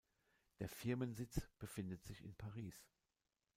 Der Firmensitz befindet sich in Paris.